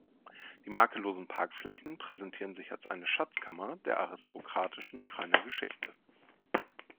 Die makellosen Parkflächen präsentieren sich als eine Schatzkammer der aristokratischen Krainer Geschichte.